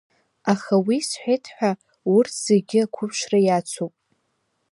Аха уи сҳәеит ҳәа, урҭқәа зегьы ақәыԥшра иацуп…